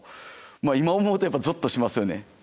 今思うとやっぱぞっとしますよね。